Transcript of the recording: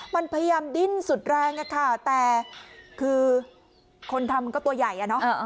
มันพยายามดิ้นสุดแรงแต่คือคนทำก็ตัวใหญ่